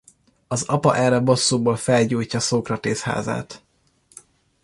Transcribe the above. Az apa erre bosszúból felgyújtja Szókratész házát.